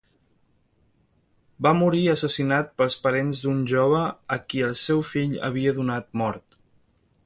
Va morir assassinat pels parents d'un jove a qui el seu fill havia donat mort.